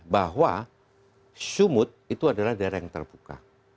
bahwa sumut itu adalah daerah yang terbuka